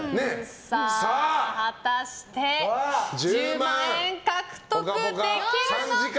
果たして１０万円獲得できるのか。